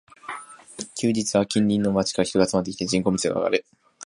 休日は近隣の街から人が集まってきて、人口密度が上がる